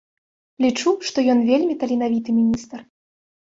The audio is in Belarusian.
Лічу, што ён вельмі таленавіты міністр.